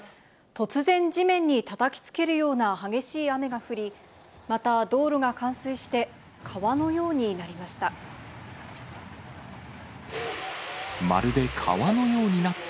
突然、地面にたたきつけるような激しい雨が降り、また道路が冠水して、川のようになりました。